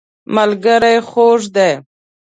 ملګری خوږ دی.